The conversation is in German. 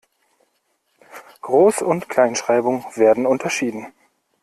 Groß- und Kleinschreibung werden unterschieden.